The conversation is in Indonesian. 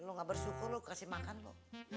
lu gak bersyukur lu kasih makan lo